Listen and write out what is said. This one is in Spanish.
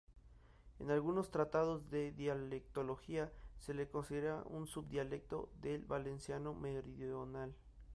En algunos tratados de dialectología, se le considera un subdialecto del valenciano meridional.